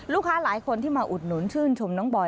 ลูกค้าหลายคนที่มาอุดหนุนชื่นชมน้องบอย